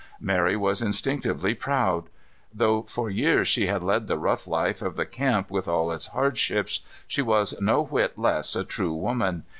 Mary was instinctively proud. Though for years she had led the rough life of the camp with all its hardships, she was no whit less a true woman.